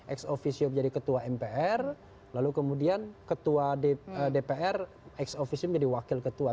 ex officio jadi ketua mpr lalu kemudian ketua dpr ex officio menjadi wakil ketua